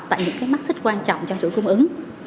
tại những cái mắc xích quan trọng trong chủ cung ứng